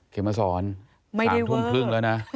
มาสอน๓ทุ่มครึ่งแล้วนะ